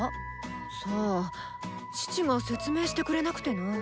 さあ父が説明してくれなくてな。